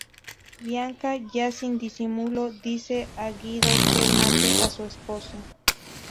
Bianca, ya sin disimulo, dice a Guido que mate a su esposo.